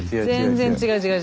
全然違う違う。